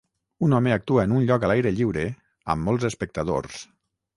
Un home actua en un lloc a l'aire lliure, amb molts espectadors.